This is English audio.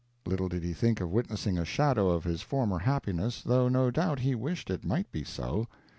Little did he think of witnessing a shadow of his former happiness, though no doubt he wished it might be so.